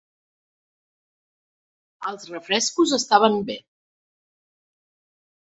Els refrescos estaven bé.